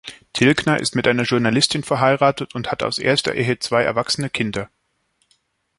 Tilgner ist mit einer Journalistin verheiratet und hat aus erster Ehe zwei erwachsene Kinder.